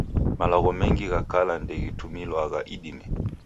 Malagho mengi gha kala ndeghitumilwagha idime